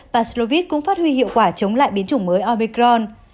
paslovit cũng phát huy hiệu quả chống lại biến chủng mới omicron